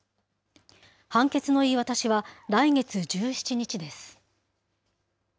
判決の言い渡しは、来月１７日です。